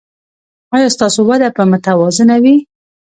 ایا ستاسو وده به متوازنه وي؟